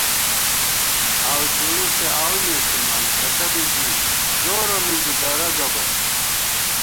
آؤوچُڑُوسے آؤو نېسِمان کتہ بی زی زورہ مِنزی درہ گہ بہ